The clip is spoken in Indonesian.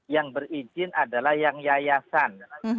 yang berizin adalah yang yayasan